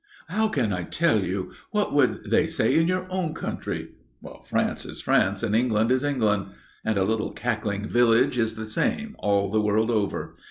"How can I tell you? What would they say in your own country?" "France is France and England is England." "And a little cackling village is the same all the world over.